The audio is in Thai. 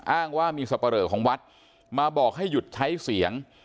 อ้างว่ามีสับปะเหลอของวัดมาบอกให้หยุดใช้เสียง